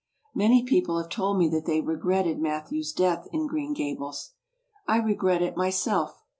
Many people have told me that they regretted Mat thew's death in Green Gables. I regret it myself.